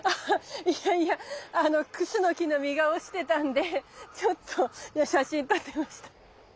いやいやクスノキの実が落ちてたんでちょっと写真撮ってました。